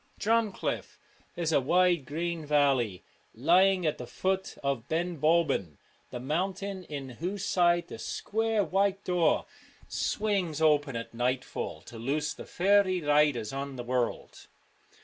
Drumcliff is a wide green valley, lying at the foot of Ben Bulben, the mountain in whose side the square white door swings open at nightfall to loose the faery riders on the world.